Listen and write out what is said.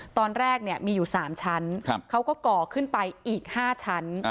ตอนแรกเนี่ยมีอยู่สามชั้นเค้าก็ก่อกขึ้นไปอีก๕ชั้น